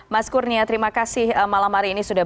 mas kurnia terima kasih malam hari ini sudah